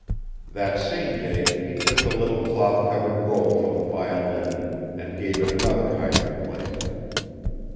That same day he took the little cloth covered roll from the violin and gave it another hiding place.